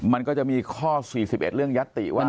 มันก็จะมีข้อ๔๑เรื่องยัตติว่า